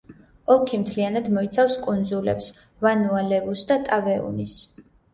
ოლქი მთლიანად მოიცავს კუნძულებს ვანუა-ლევუს და ტავეუნის.